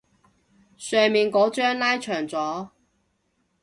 上面嗰張拉長咗